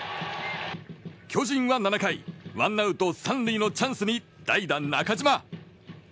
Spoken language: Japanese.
巨人は７回ワンアウト３塁のチャンスに代打、中島。